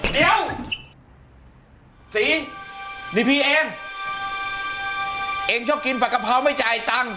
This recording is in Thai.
เดี๋ยวสีนี่พี่เองเองชอบกินผักกะเพราไม่จ่ายตังค์